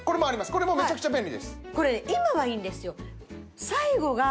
これもめちゃくちゃ便利です。